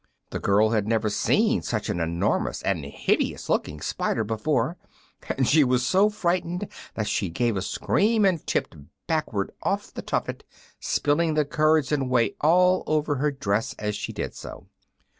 The girl had never seen such an enormous and hideous looking spider before, and she was so frightened that she gave a scream and tipped backward off the tuffet, spilling the curds and whey all over her dress as she did so.